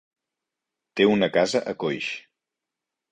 Té una casa a Coix.